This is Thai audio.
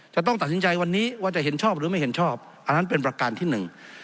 จะต้องตัดสินใจวันนี้ว่าจะเห็นชอบหรือไม่เห็นชอบอันนั้นเป็นประการที่หนึ่ง